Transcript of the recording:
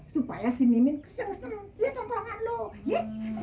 supaya si mimin kesel kesel